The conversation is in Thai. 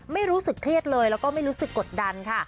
รู้สึกเครียดเลยแล้วก็ไม่รู้สึกกดดันค่ะ